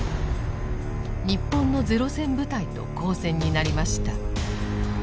日本の零戦部隊と交戦になりました。